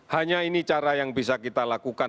hanya ini cara yang bisa kita lakukan